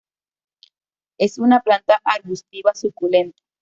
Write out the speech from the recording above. Es una planta arbustiva suculenta.